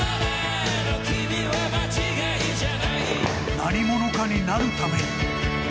何者かになるために。